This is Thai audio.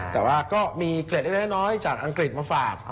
แต่ว่าก็มีเกร็ดเล็กน้อยจากอังกฤษมาฝาก